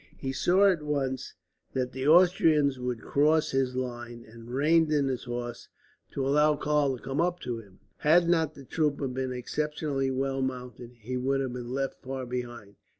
He saw, at once, that the Austrians would cross his line, and reined in his horse to allow Karl to come up to him. Had not the trooper been exceptionally well mounted, he would have been left far behind.